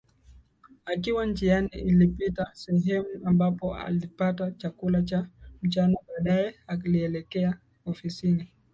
Akiwa njiani alipita sehemu ambapo alipata chakula cha mchana baadae alielekea ofisini